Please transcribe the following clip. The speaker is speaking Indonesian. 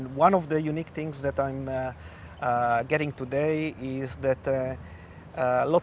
dan salah satu hal unik yang saya dapatkan hari ini adalah